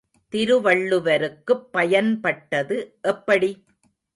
திருவள்ளுவருக்குப் பயன்பட்டது எப்படி?